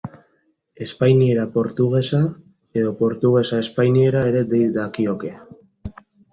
Espainiera-portugesa edo portugesa-espainiera ere dei dakioke.